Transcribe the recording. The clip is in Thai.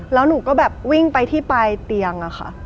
แล้วหนูก็แบบวิ่งไปที่ปลายเตียงอะค่ะ